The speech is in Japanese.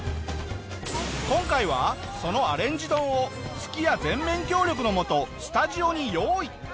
今回はそのアレンジ丼をすき家全面協力のもとスタジオに用意。